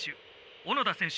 小野田選手